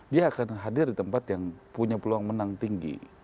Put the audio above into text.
dia akan hadir di tempat yang punya peluang menang tinggi